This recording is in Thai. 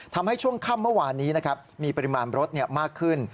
ช่วงค่ำเมื่อวานนี้นะครับมีปริมาณรถมากขึ้น